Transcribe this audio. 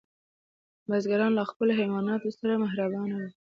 بزګران له خپلو حیواناتو سره مهربانه وو.